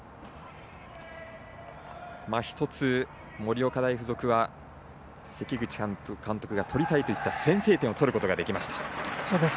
１つ、盛岡大付属は関口監督が取りたいといった先制点を取ることができました。